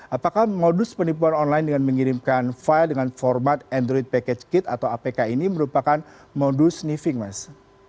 apakah modus penipuan online dengan mengirimkan file dengan format android package kit atau apk ini merupakan modus sniffing mas